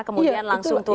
kemudian langsung turun